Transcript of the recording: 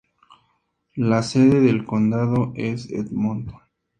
La sede del condado es Edmonton.